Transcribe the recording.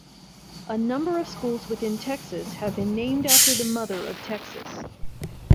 A number of schools within Texas have been named after the Mother of Texas.